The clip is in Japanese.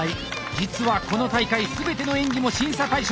実はこの大会全ての演技も審査対象。